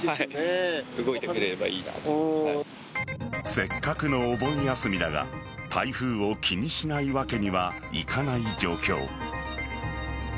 せっかくのお盆休みだが台風を気にしないわけにはいかない状況。